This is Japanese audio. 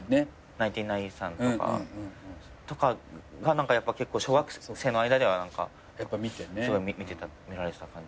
ナインティナインさんとかがやっぱ結構小学生の間では見られてた感じ。